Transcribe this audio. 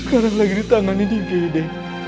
sekarang lagi di tangan ini gede